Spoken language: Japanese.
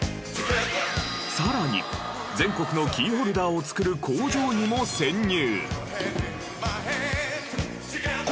さらに全国のキーホルダーを作る工場にも潜入！